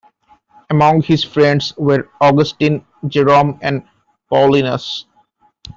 Among his friends were Augustine, Jerome, and Paulinus.